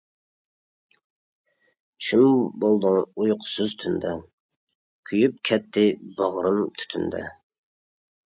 چۈشۈم بولدۇڭ ئۇيقۇسىز تۈندە، كۆيۈپ كەتتى باغرىم تۈتۈندە.